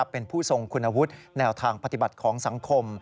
เป็นผู้ทรงคุณวุฒิแนวทางปฏิบัติของสังคม